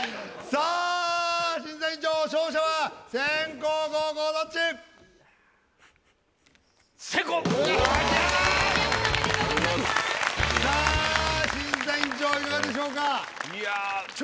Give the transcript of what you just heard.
さあ審査委員長いかがでしょうか？